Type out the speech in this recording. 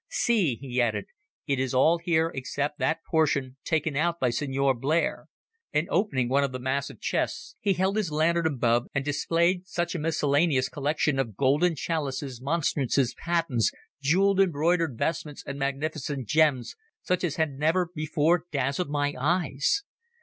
See," he added, "it is all here except that portion taken out by the Signor Blair," and opening one of the massive chests, he held his lantern above and displayed such a miscellaneous collection of golden chalices, monstrances, patens, jewel embroidered vestments and magnificent gems, such as had never before dazzled my eyes.